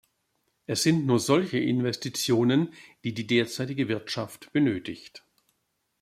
Es sind nur solche Investitionen, die die derzeitige Wirtschaft benötigt.